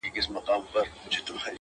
درد يې پاتېږي او له زړه نه يې درمان وځي;